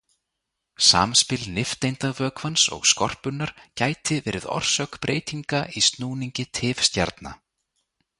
Samspil nifteindavökvans og skorpunnar gæti verið orsök breytinga í snúningi tifstjarna.